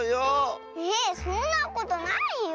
えっそんなことないよ。